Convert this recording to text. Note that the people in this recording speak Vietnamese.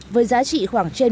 với giá trị khoảng ba tấn